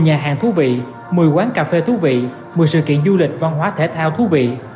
một nhà hàng thú vị một mươi quán cà phê thú vị một mươi sự kiện du lịch văn hóa thể thao thú vị